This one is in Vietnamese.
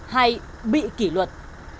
hay bị kỷ luật